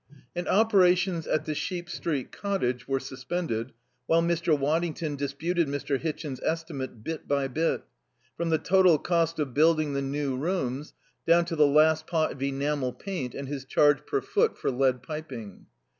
And operations at the Sheep Street cottage were suspended while Mr. Waddington disputed Mr. Hitchin's estimate bit by bit, from the total cost of building the new rooms down to the last pot of enamel paint and his charge per foot for lead piping.